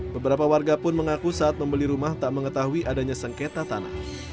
beberapa warga pun mengaku saat membeli rumah tak mengetahui adanya sengketa tanah